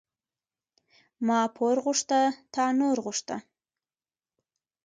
ما پور غوښته، تا نور غوښته.